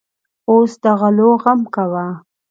اوس د غلو غم کوه.